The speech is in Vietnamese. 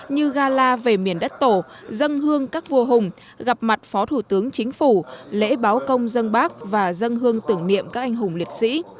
như gala về miền đất tổ dân hương các vua hùng gặp mặt phó thủ tướng chính phủ lễ báo công dân bác và dân hương tưởng niệm các anh hùng liệt sĩ